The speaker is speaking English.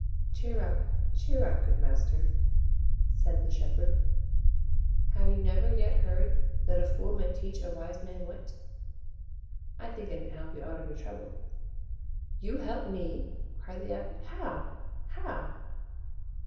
"Cheer up, cheer up, good master," said the shepherd. "Have you never yet heard that a fool may teach a wise man wit? I think I can help you out of your trouble." "You help me!" cried the abbot "How? how?"